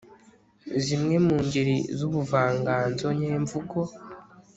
zimwe mu ngeri z'ubuvanganzo nyemvugo